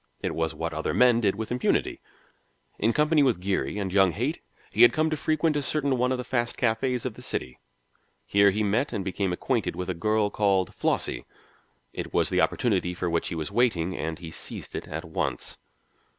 It was what other men did with impunity. In company with Geary and young Haight he had come to frequent a certain one of the fast cafés of the city. Here he met and became acquainted with a girl called Flossie. It was the opportunity for which he was waiting, and he seized it at once.